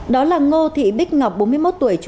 đó là ngô thị bích ngọc bốn mươi một tuổi